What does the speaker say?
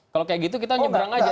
kalau kayak gitu kita nyebrang aja